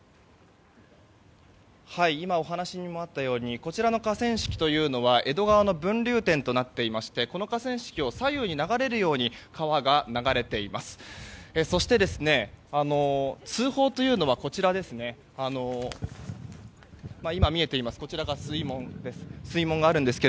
お話にもあったようにこちらの河川敷は江戸川の分流点となっていましてこの河川敷を左右に流れるように川が流れています。